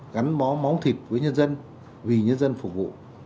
gắn bó máu thịt với nhân dân vì nhân dân phục vụ